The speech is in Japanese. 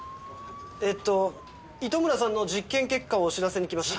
えーっと糸村さんの実験結果をお知らせにきました。